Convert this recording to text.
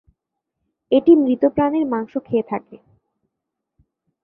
এটি মৃত প্রাণীর মাংস খেয়ে থাকে।